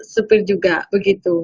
sopir juga begitu